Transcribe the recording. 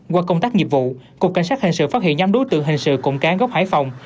qua công tác nghiệp vụ cục cảnh sát hình sự phát hiện nhóm đối tượng hình sự cụm cán gốc hải phòng